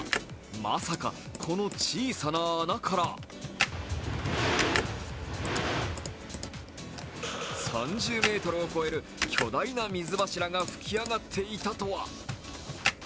まさか、この小さな穴から３０ｍを超える巨大な水柱が噴き上がっていたとは。